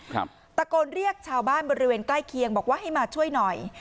ตะโกนเรียกชาวบ้านบริเวณใกล้เคียงบอกว่าให้มาช่วยหน่อย